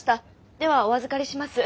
ではお預かりします。